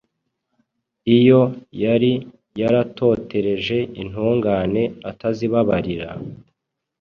iyo yari yaratotereje intungane atazibabarira,